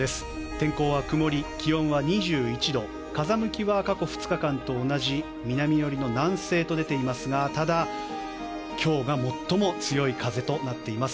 天候は曇り、気温は２１度風向きは過去２日間と同じ南寄りの南西と出ていますがただ今日が最も強い風となっています。